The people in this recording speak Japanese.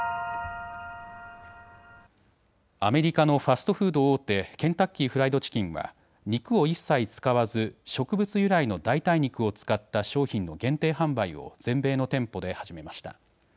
アメリカのファストフード大手、ケンタッキーフライドチキンは肉を一切使わず、植物由来の代替肉を使った商品の限定販売を全米の店舗で始めました。